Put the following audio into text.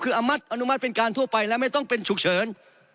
คืออนุมัติเป็นการทั่วไปและไม่ต้องเป็นฉุกเฉิน